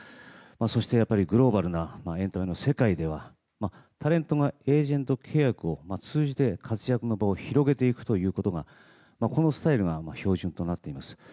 そして、グローバルなエンタメの世界ではタレントがエージェント契約を通じて活躍の場を広げていくということが、このスタイルが標準となっています。